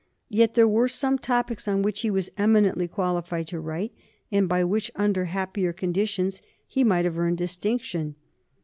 Yet there were some topics on which he was eminently qualified to write, and by which, under happier conditions, he might have earned distinction.